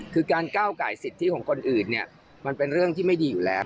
คือการก้าวไก่สิทธิของคนอื่นเนี่ยมันเป็นเรื่องที่ไม่ดีอยู่แล้ว